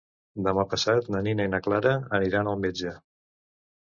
Demà passat na Nina i na Clara aniran al metge.